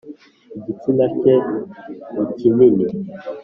igitsina ke nikinini